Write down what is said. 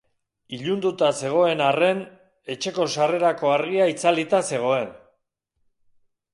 Ilunduta zegoen arren, etxeko sarrerako argia itzalita zegoen.